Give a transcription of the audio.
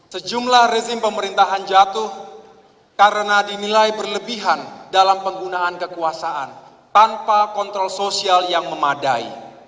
sejumlah rezim pemerintahan jatuh karena dinilai berlebihan dalam penggunaan kekuasaan tanpa kontrol sosial yang memadai